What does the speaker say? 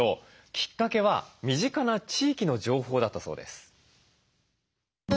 きっかけは身近な地域の情報だったそうです。